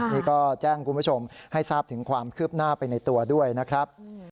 นี่ก็แจ้งคุณผู้ชมให้ทราบถึงความคืบหน้าไปในตัวด้วยนะครับ